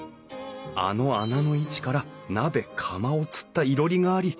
あの穴の位置から鍋釜をつった囲炉裏があり